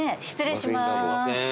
失礼します。